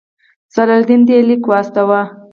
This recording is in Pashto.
صلاح الدین ته یې لیک واستاوه.